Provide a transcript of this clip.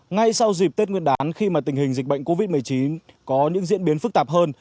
ngay sau dịp tết nguyên đán khi mà tình hình dịch bệnh covid một mươi chín có những diễn biến phức tạp hơn